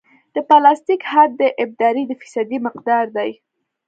د پلاستیک حد د ابدارۍ د فیصدي مقدار دی